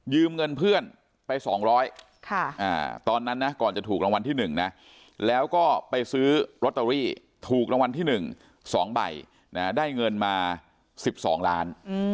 เงินเพื่อนไป๒๐๐ตอนนั้นนะก่อนจะถูกรางวัลที่๑นะแล้วก็ไปซื้อลอตเตอรี่ถูกรางวัลที่๑๒ใบได้เงินมา๑๒ล้าน